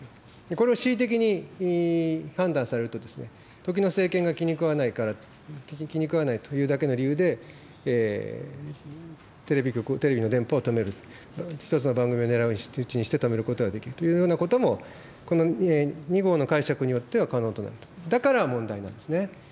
これを恣意的に判断されると、時の政権が気に食わないからと、気に食わないというだけの理由で、テレビ局、テレビの電波を止める、１つの番組を狙い撃ちにして止めることができるというようなことも、この２号の解釈によっては可能となると、だから問題なんですね。